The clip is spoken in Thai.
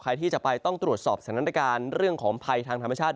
ใครที่จะไปต้องตรวจสอบสถานการณ์เรื่องของภัยทางธรรมชาติ